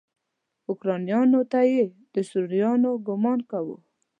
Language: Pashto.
اوکرانیانو ته یې د سوريانو ګمان وکړ.